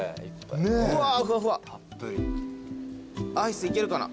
アイスいけるかな。